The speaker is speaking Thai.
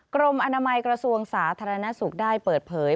กรมอนามัยกระทรวงสาธารณสุขได้เปิดเผย